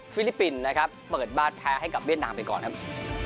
ลิปปินส์นะครับเปิดบ้านแพ้ให้กับเวียดนามไปก่อนครับ